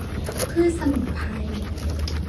พืชสมุนไพร